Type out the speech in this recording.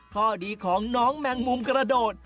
ข้อดีของน้องแมงมุมกระโดด